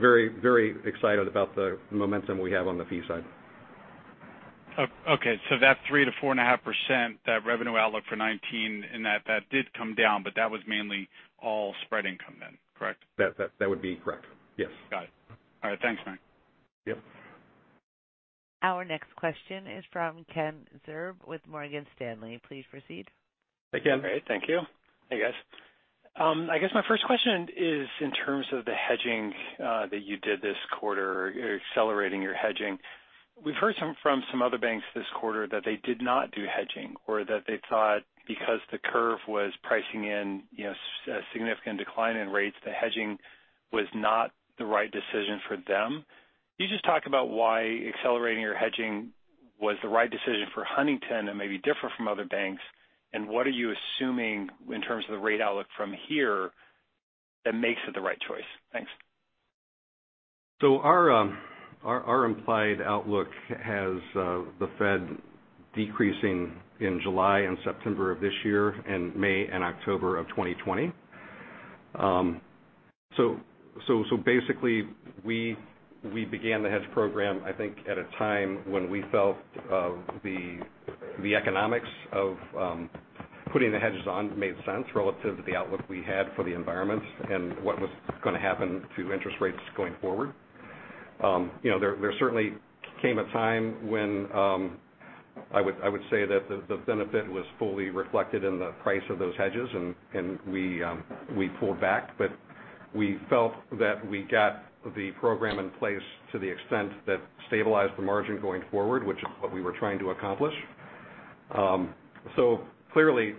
Very, very excited about the momentum we have on the fee side. Okay. That 3%-4.5%, that revenue outlook for 2019, and that did come down, but that was mainly all spread income then, correct? That would be correct. Yes. Got it. All right. Thanks, Mac. Yep. Our next question is from Ken Zerbe with Morgan Stanley. Please proceed. Hey, Ken. Great. Thank you. Hey, guys. I guess my first question is in terms of the hedging that you did this quarter, accelerating your hedging. We've heard from some other banks this quarter that they did not do hedging or that they thought because the curve was pricing in a significant decline in rates, the hedging was not the right decision for them. Can you just talk about why accelerating your hedging was the right decision for Huntington and maybe different from other banks, and what are you assuming in terms of the rate outlook from here that makes it the right choice? Thanks. Our implied outlook has the Fed decreasing in July and September of this year and May and October of 2020. Basically, we began the hedge program, I think, at a time when we felt the economics of putting the hedges on made sense relative to the outlook we had for the environment and what was going to happen to interest rates going forward. There certainly came a time when I would say that the benefit was fully reflected in the price of those hedges, and we pulled back. We felt that we got the program in place to the extent that stabilized the margin going forward, which is what we were trying to accomplish. Clearly,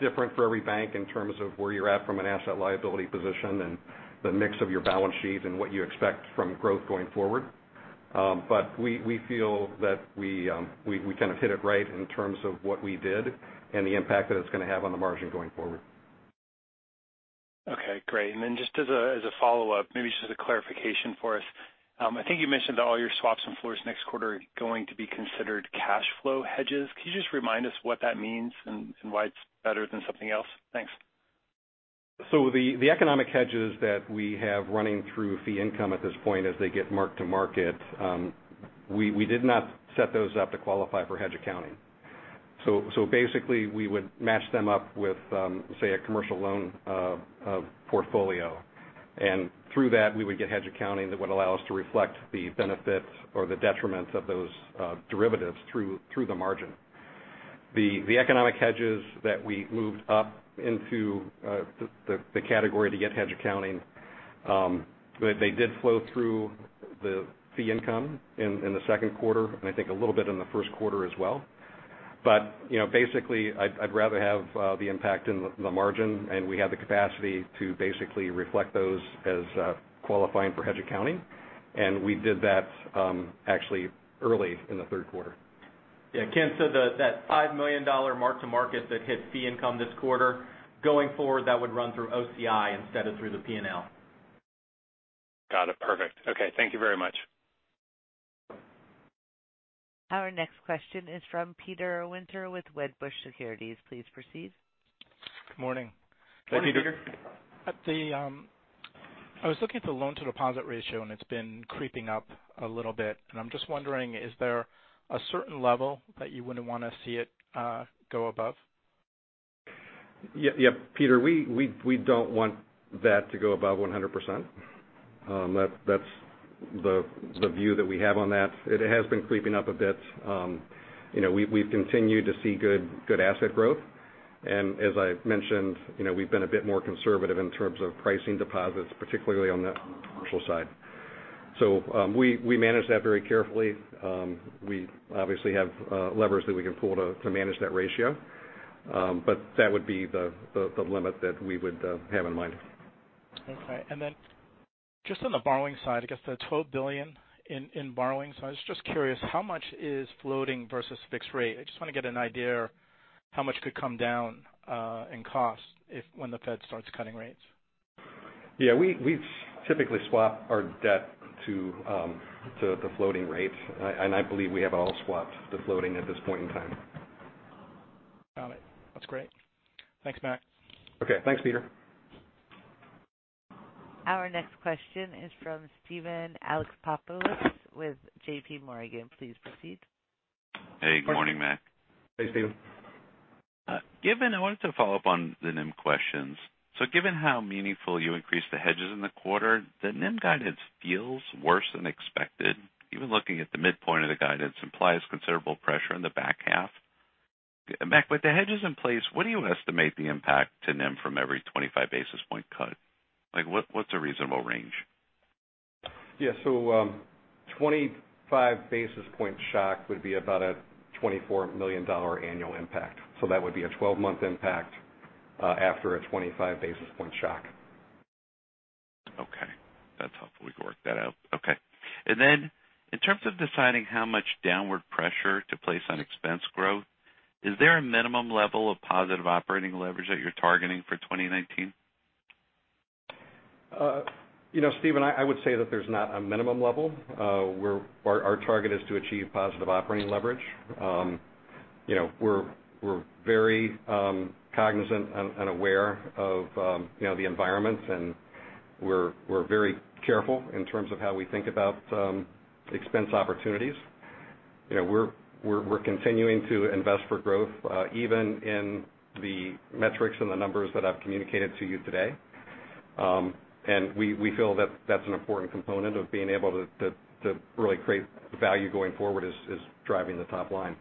different for every bank in terms of where you're at from an asset liability position and the mix of your balance sheet and what you expect from growth going forward. We feel that we kind of hit it right in terms of what we did and the impact that it's going to have on the margin going forward. Okay, great. Just as a follow-up, maybe just as a clarification for us, I think you mentioned all your swaps and floors next quarter are going to be considered cash flow hedges. Can you just remind us what that means and why it's better than something else? Thanks. The economic hedges that we have running through fee income at this point as they get mark-to-market, we did not set those up to qualify for hedge accounting. Basically, we would match them up with, say, a commercial loan portfolio. Through that, we would get hedge accounting that would allow us to reflect the benefits or the detriments of those derivatives through the margin. The economic hedges that we moved up into the category to get hedge accounting they did flow through the fee income in the second quarter, and I think a little bit in the first quarter as well. Basically, I'd rather have the impact in the margin, and we have the capacity to basically reflect those as qualifying for hedge accounting. We did that actually early in the third quarter. Yeah, Ken, that $5 million mark-to-market that hit fee income this quarter, going forward, that would run through OCI instead of through the P&L. Got it. Perfect. Okay. Thank you very much. Our next question is from Peter Winter with Wedbush Securities. Please proceed. Good morning. Good morning, Peter. I was looking at the loan-to-deposit ratio, and it's been creeping up a little bit, and I'm just wondering, is there a certain level that you wouldn't want to see it go above? Yep. Peter, we don't want that to go above 100%. That's the view that we have on that. It has been creeping up a bit. As I've mentioned, we've been a bit more conservative in terms of pricing deposits, particularly on the commercial side. We manage that very carefully. We obviously have levers that we can pull to manage that ratio. That would be the limit that we would have in mind. Okay. Just on the borrowing side, I guess the $12 billion in borrowing side, I was just curious how much is floating versus fixed rate? I just want to get an idea how much could come down in cost when the Fed starts cutting rates. Yeah, we've typically swapped our debt to the floating rate, and I believe we have it all swapped to floating at this point in time. Got it. That's great. Thanks, Mac. Okay. Thanks, Peter. Our next question is from Steven Alexopoulos with JPMorgan. Please proceed. Hey, good morning, Mac. Hey, Steven. I wanted to follow up on the NIM questions. Given how meaningful you increased the hedges in the quarter, the NIM guidance feels worse than expected. Even looking at the midpoint of the guidance implies considerable pressure in the back half. Mac, with the hedges in place, what do you estimate the impact to NIM from every 25 basis point cut? What's a reasonable range? Yeah. A 25 basis point shock would be about a $24 million annual impact. That would be a 12-month impact after a 25 basis point shock. Okay. That's helpful. We can work that out. Okay. In terms of deciding how much downward pressure to place on expense growth, is there a minimum level of positive operating leverage that you're targeting for 2019? Steven, I would say that there's not a minimum level. Our target is to achieve positive operating leverage. We're very cognizant and aware of the environment, and we're very careful in terms of how we think about expense opportunities. We're continuing to invest for growth, even in the metrics and the numbers that I've communicated to you today. We feel that that's an important component of being able to really create value going forward is driving the top line.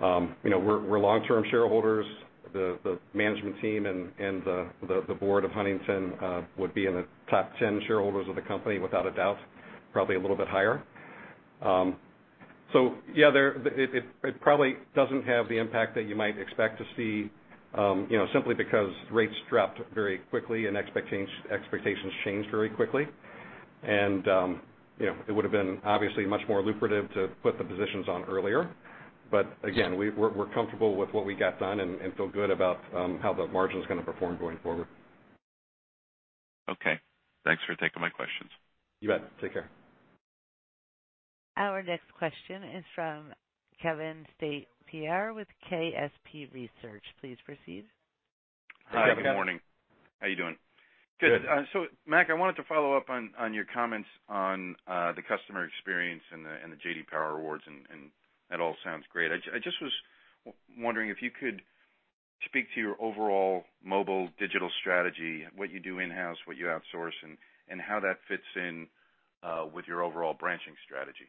We're long-term shareholders. The management team and the board of Huntington would be in the top 10 shareholders of the company without a doubt, probably a little bit higher. Yeah, it probably doesn't have the impact that you might expect to see simply because rates dropped very quickly and expectations changed very quickly. And it would've been obviously much more lucrative to put the positions on earlier. Again, we're comfortable with what we got done and feel good about how the margin's going to perform going forward. Okay. Thanks for taking my questions. You bet. Take care. Our next question is from Kevin St. Pierre with KSP Research. Please proceed. Hi, Kevin. Hi, good morning. How you doing? Good. Mac, I wanted to follow up on your comments on the customer experience and the JD Power Awards, and that all sounds great. I just was wondering if you could speak to your overall mobile digital strategy, what you do in-house, what you outsource, and how that fits in with your overall branching strategy.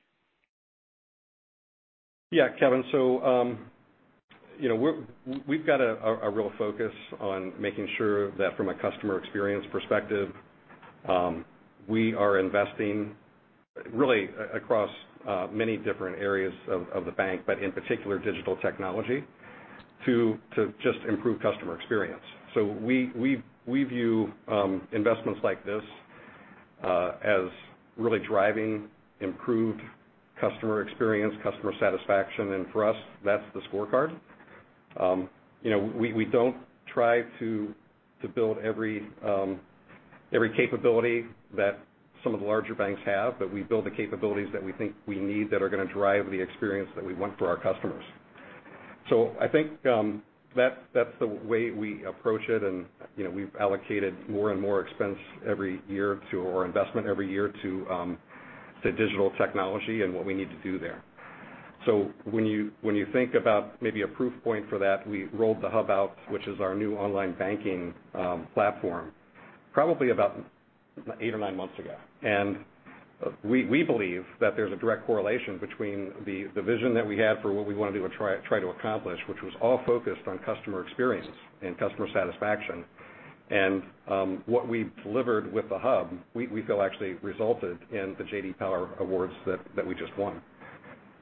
Kevin. We've got a real focus on making sure that from a customer experience perspective, we are investing really across many different areas of the bank, but in particular digital technology to just improve customer experience. We view investments like this as really driving improved customer experience, customer satisfaction, and for us, that's the scorecard. We don't try to build every capability that some of the larger banks have, but we build the capabilities that we think we need that are going to drive the experience that we want for our customers. I think that's the way we approach it, and we've allocated more and more expense every year to our investment, every year to digital technology and what we need to do there. When you think about maybe a proof point for that, we rolled The Hub out, which is our new online banking platform, probably about eight or nine months ago. We believe that there's a direct correlation between the vision that we had for what we want to do and try to accomplish, which was all focused on customer experience and customer satisfaction. What we've delivered with The Hub, we feel actually resulted in the JD Power Awards that we just won.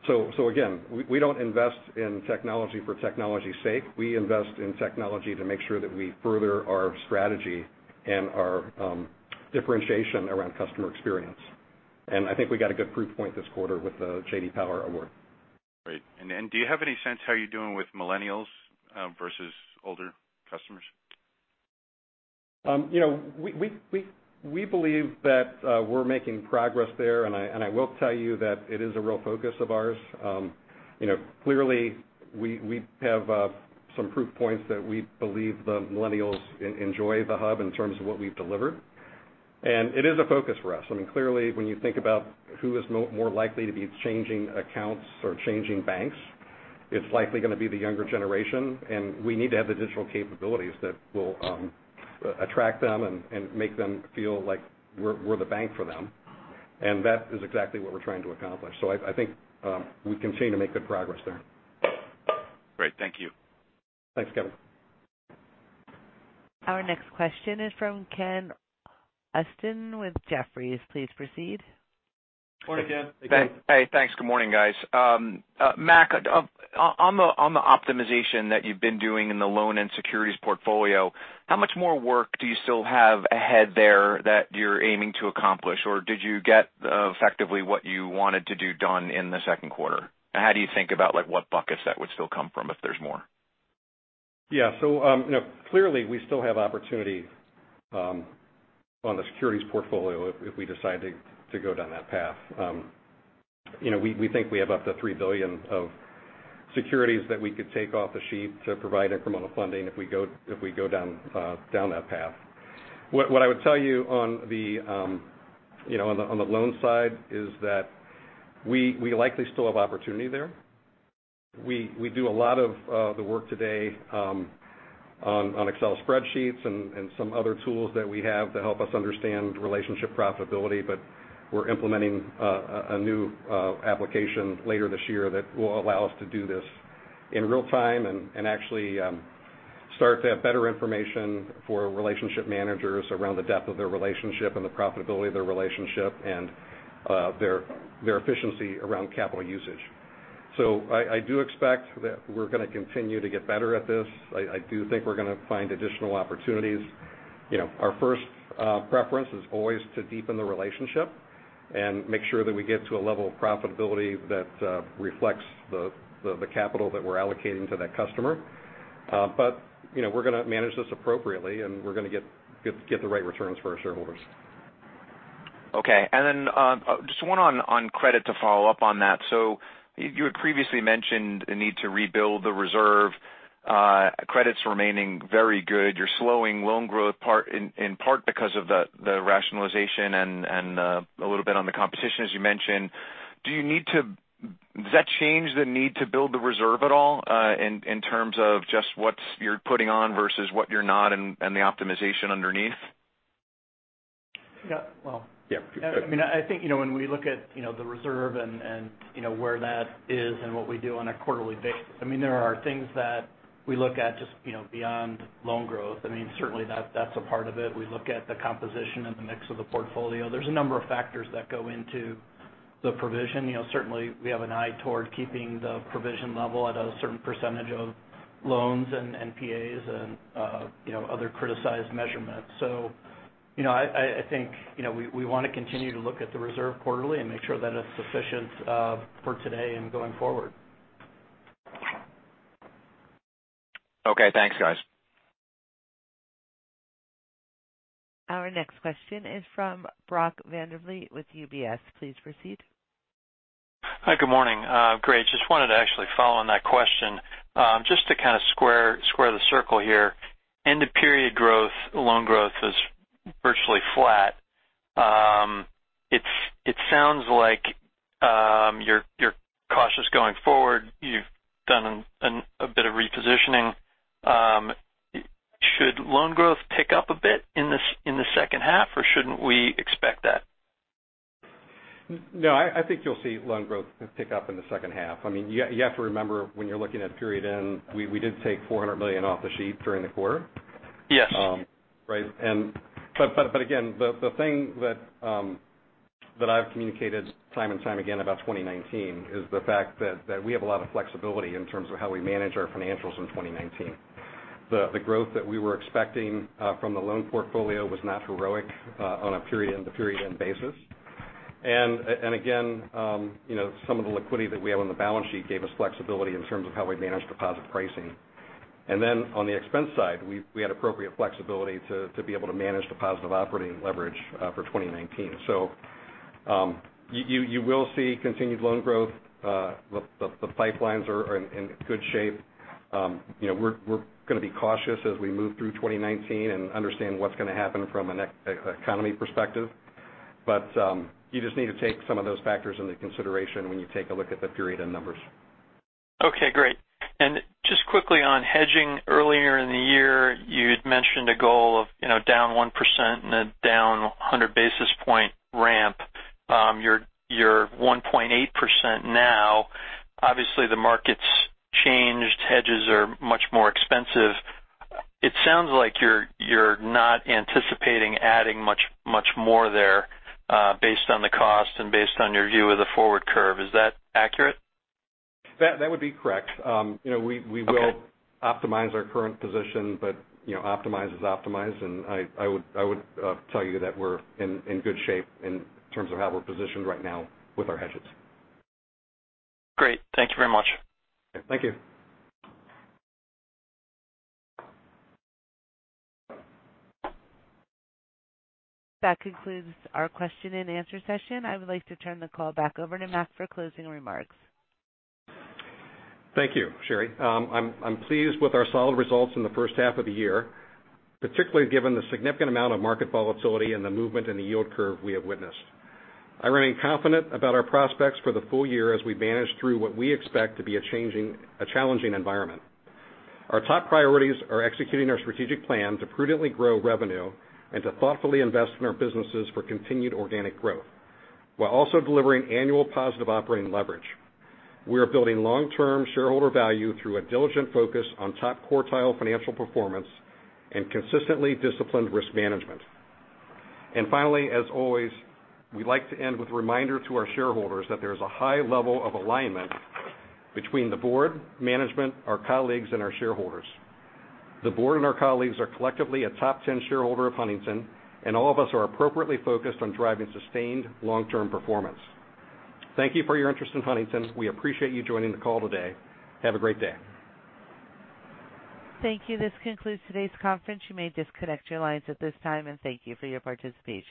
Again, we don't invest in technology for technology's sake. We invest in technology to make sure that we further our strategy and our differentiation around customer experience. I think we got a good proof point this quarter with the JD Power Award. Great. Do you have any sense how you're doing with millennials versus older customers? We believe that we're making progress there. I will tell you that it is a real focus of ours. Clearly we have some proof points that we believe the millennials enjoy The Hub in terms of what we've delivered. It is a focus for us. I mean, clearly when you think about who is more likely to be changing accounts or changing banks, it's likely going to be the younger generation. We need to have the digital capabilities that will attract them and make them feel like we're the bank for them. That is exactly what we're trying to accomplish. I think we continue to make good progress there. Great. Thank you. Thanks, Kevin. Our next question is from Ken Usdin with Jefferies. Please proceed. Morning, Ken. Hey. Thanks. Good morning, guys. Mac, on the optimization that you've been doing in the loan and securities portfolio, how much more work do you still have ahead there that you're aiming to accomplish? Did you get effectively what you wanted to do done in the second quarter? How do you think about what buckets that would still come from if there's more? Yeah. Clearly we still have opportunity on the securities portfolio if we decide to go down that path. We think we have up to $3 billion of securities that we could take off the sheet to provide incremental funding if we go down that path. What I would tell you on the loan side is that we likely still have opportunity there. We do a lot of the work today on Excel spreadsheets and some other tools that we have to help us understand relationship profitability, but we're implementing a new application later this year that will allow us to do this in real time and actually start to have better information for relationship managers around the depth of their relationship and the profitability of their relationship, and their efficiency around capital usage. I do expect that we're going to continue to get better at this. I do think we're going to find additional opportunities. Our first preference is always to deepen the relationship and make sure that we get to a level of profitability that reflects the capital that we're allocating to that customer. We're going to manage this appropriately, and we're going to get the right returns for our shareholders. Okay. Then just one on credit to follow up on that. You had previously mentioned a need to rebuild the reserve. Credit's remaining very good. You're slowing loan growth in part because of the rationalization and a little bit on the competition, as you mentioned. Does that change the need to build the reserve at all in terms of just what you're putting on versus what you're not and the optimization underneath? Yeah. [Yeah, Rich, go ahead.] I think when we look at the reserve and where that is and what we do on a quarterly basis, there are things that we look at just beyond loan growth. Certainly that's a part of it. We look at the composition and the mix of the portfolio. There's a number of factors that go into the provision. Certainly, we have an eye toward keeping the provision level at a certain percentage of loans and NPAs and other criticized measurements. I think we want to continue to look at the reserve quarterly and make sure that it's sufficient for today and going forward. Okay, thanks, guys. Our next question is from Brock Vandervliet with UBS. Please proceed. Hi, good morning. Great. Just wanted to actually follow on that question. Just to kind of square the circle here, end-of-period loan growth is virtually flat. It sounds like you're cautious going forward. You've done a bit of repositioning. Should loan growth pick up a bit in the second half, or shouldn't we expect that? No, I think you'll see loan growth pick up in the second half. You have to remember when you're looking at period end, we did take $400 million off the sheet during the quarter. Yes. Right. Again, the thing that I've communicated time and time again about 2019 is the fact that we have a lot of flexibility in terms of how we manage our financials in 2019. The growth that we were expecting from the loan portfolio was not heroic on a period-end to period-end basis. Again, some of the liquidity that we have on the balance sheet gave us flexibility in terms of how we manage deposit pricing. On the expense side, we had appropriate flexibility to be able to manage positive operating leverage for 2019. You will see continued loan growth. The pipelines are in good shape. We're going to be cautious as we move through 2019 and understand what's going to happen from an economy perspective. You just need to take some of those factors into consideration when you take a look at the period-end numbers. Okay, great. Just quickly on hedging, earlier in the year, you'd mentioned a goal of down 1% and a down 100-basis-point ramp. You're 1.8% now. Obviously, the market's changed. Hedges are much more expensive. It sounds like you're not anticipating adding much more there based on the cost and based on your view of the forward curve. Is that accurate? That would be correct. Okay. We will optimize our current position, but optimize is optimize, and I would tell you that we're in good shape in terms of how we're positioned right now with our hedges. Great. Thank you very much. Thank you. That concludes our question-and-answer session. I would like to turn the call back over to Mac for closing remarks. Thank you, Sherry. I'm pleased with our solid results in the first half of the year, particularly given the significant amount of market volatility and the movement in the yield curve we have witnessed. I remain confident about our prospects for the full year as we manage through what we expect to be a changing—a challenging environment. Our top priorities are executing our strategic plan to prudently grow revenue and to thoughtfully invest in our businesses for continued organic growth while also delivering annual positive operating leverage. We are building long-term shareholder value through a diligent focus on top-quartile financial performance and consistently disciplined risk management. Finally, as always, we'd like to end with a reminder to our shareholders that there is a high level of alignment between the board, management, our colleagues, and our shareholders. The board and our colleagues are collectively a top 10 shareholder of Huntington, and all of us are appropriately focused on driving sustained long-term performance. Thank you for your interest in Huntington. We appreciate you joining the call today. Have a great day. Thank you. This concludes today's conference. You may disconnect your lines at this time, and thank you for your participation.